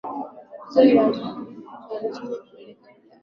tatizo lililozingatiwa kwa njia ya kipekee Ulaya na